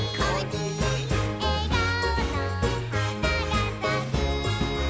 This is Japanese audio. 「えがおの花がさく」